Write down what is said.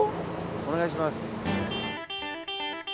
お願いします。